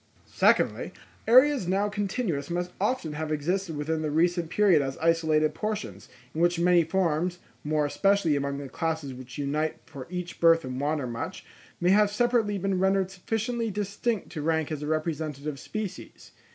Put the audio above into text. Secondly, areas now continuous must often have existed within the recent period as isolated portions, in which many forms, more especially among the classes which unite for each birth and wander much, may have separately been rendered sufficiently distinct to rank as representative species.